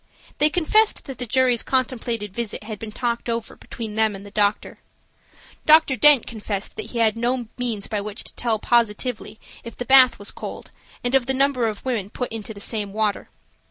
They confessed that the jury's contemplated visit had been talked over between them and the doctor. Dr. Dent confessed that he had no means by which to tell positively if the bath was cold and of the number of women put into the same water.